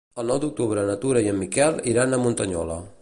El nou d'octubre na Tura i en Miquel iran a Muntanyola.